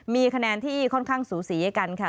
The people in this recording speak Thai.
มีคะแนนที่ค่อนข้างสูสีกันค่ะ